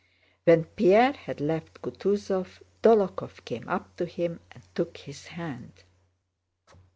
When Pierre had left Kutúzov, Dólokhov came up to him and took his hand.